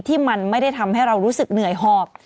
ที่มันไม่ได้ทำให้เรารู้สึกเหนื่อยหอบ